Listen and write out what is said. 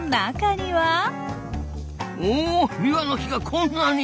おビワの木がこんなに！